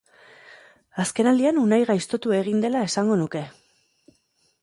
Azkenaldian Unai gaiztotu egin dela esango nuke.